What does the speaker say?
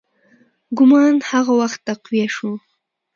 ګومان هغه وخت تقویه شو.